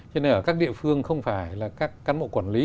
cho nên ở các địa phương không phải là các cán bộ quản lý